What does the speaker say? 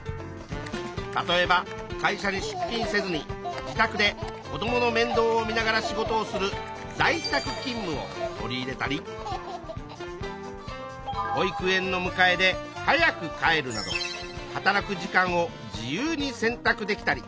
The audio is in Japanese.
例えば会社にしゅっきんせずに自宅で子どものめんどうを見ながら仕事をする「在宅勤務」を取り入れたり保育園のむかえで早く帰るなど働く時間を自由に選択できたり。